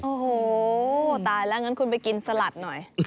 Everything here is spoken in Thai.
โอ้โหตายแล้วงั้นคุณไปกินสลัดหน่อย